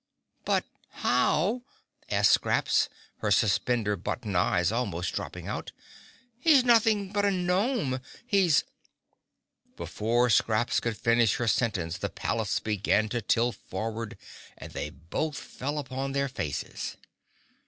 "But how?" asked Scraps, her suspender button eyes almost dropping out. "He's nothing but a gnome. He's—" [Illustration: (unlabelled)] Before Scraps could finish her sentence the palace began to tilt forward and they both fell upon their faces.